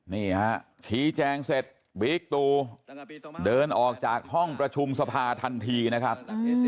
นี่ฮะชี้แจงเสร็จบิ๊กตูเดินออกจากห้องประชุมสภาทันทีนะครับ